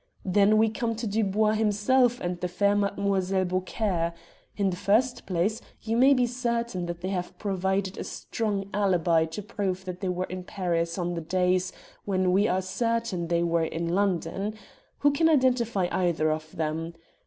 Then we come to Dubois himself and the fair Mlle. Beaucaire. In the first place, you may be certain that they have provided a strong alibi to prove that they were in Paris on the days when we are certain they were in London. Who can identify either of them?